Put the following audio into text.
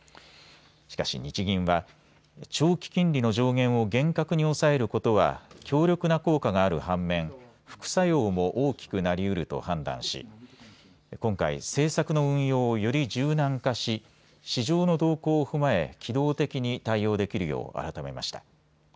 しかし日銀は長期金利の上限を厳格に抑えることは強力な効果がある反面、副作用も大きくなりうると判断し今回、政策の運用をより柔軟化し市場の動向を踏まえ機動的に対応できるよう改めました。